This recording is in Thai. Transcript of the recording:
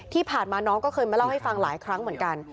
ที่ผ่านมาน้องก็เคยมาเล่าให้ฟังหลายครั้งเหมือนกัน